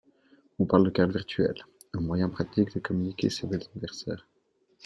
On parle de carte virtuelle, un moyen pratique de communiquer ses vœux d'anniversaire.